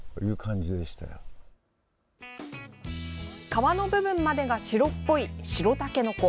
皮の部分までが白っぽい白たけのこ。